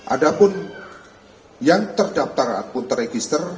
ada pun yang terdaftar atau terekister